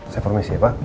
saya permisi ya pak